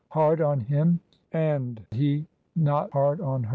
Hard on him 1 And he not hard on her?